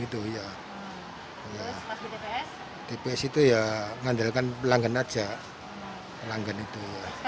tps itu ya mengandalkan pelanggan aja pelanggan itu